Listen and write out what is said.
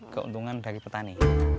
keuntungan dari petani